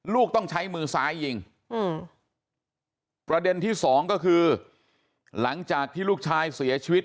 ต้องใช้มือซ้ายยิงประเด็นที่สองก็คือหลังจากที่ลูกชายเสียชีวิต